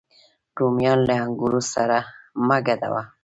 رومیان له انګورو سره مه ګډوه